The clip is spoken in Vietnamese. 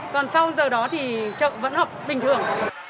còn sau giờ đó thì chợ vẫn học bình thường